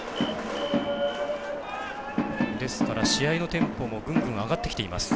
ですから、試合のテンポもグングン上がってきています。